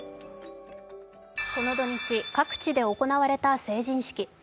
この土日、各地で行われた成人式。